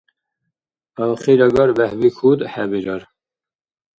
Ахирагар бехӀбихьуд хӀебирар.